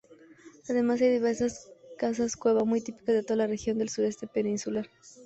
Además hay diversas casas-cueva, muy típicas de toda la región del Sureste peninsular.